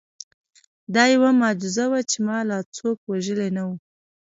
دا یوه معجزه وه چې ما لا څوک وژلي نه وو